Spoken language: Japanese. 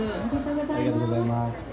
ありがとうございます。